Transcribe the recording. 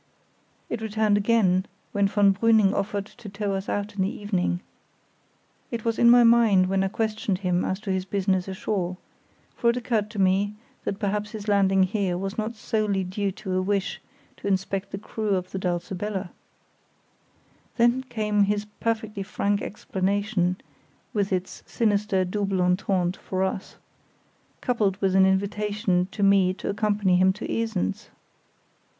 It returned again when von Brüning offered to tow us out in the evening. It was in my mind when I questioned him as to his business ashore, for it occurred to me that perhaps his landing here was not solely due to a wish to inspect the crew of the Dulcibella. Then came his perfectly frank explanation (with its sinister double entente for us), coupled with an invitation to me to accompany him to Esens.